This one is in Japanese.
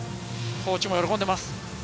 コーチも喜んでいます。